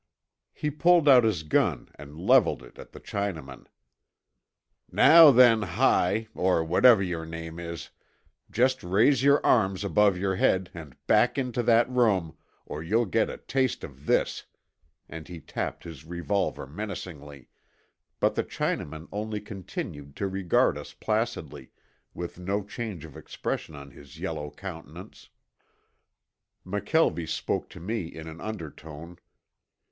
He pulled out his gun and leveled it at the Chinaman. "Now then, Hi, or whatever your name is, just raise your arms above your head and back into that room, or you'll get a taste of this," and he tapped his revolver menacingly, but the Chinaman only continued to regard us placidly, with no change of expression on his yellow countenance. McKelvie spoke to me in an undertone.